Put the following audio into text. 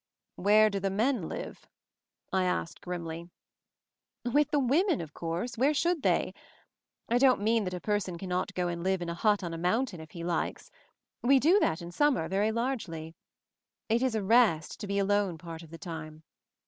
"Where do the men live?" I asked grimly. "With the women, of course — Where should they? I don't mean that a person cannot go and live in a hut on a mountain, if he likes ; we do that in summer, very largely. It is a rest to be alone part of the time.